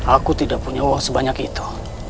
aku tidak punya uang sebanyak itu